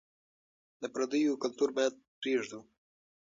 د پرديو کلتور بايد پرېږدو.